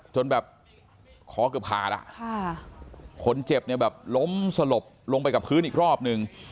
จนแบบคอเกือบขาดอ่ะค่ะคนเจ็บเนี่ยแบบล้มสลบลงไปกับพื้นอีกรอบนึง